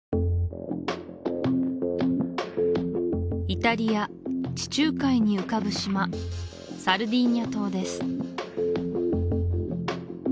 イタリア地中海に浮かぶ島サルディーニャ島です